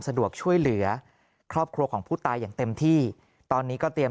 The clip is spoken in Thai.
สะดวกช่วยเหลือครอบครัวของผู้ตายอย่างเต็มที่ตอนนี้ก็เตรียม